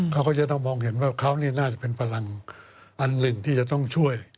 เขาก็จะต้องมองเห็นว่าเขานี่น่าจะเป็นพลังอันหนึ่งที่จะต้องช่วย